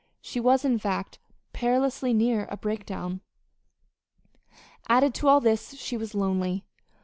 She was, in fact, perilously near a breakdown. Added to all this, she was lonely.